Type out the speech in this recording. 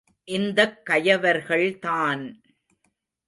இந்தக் கயவர்கள் தான்!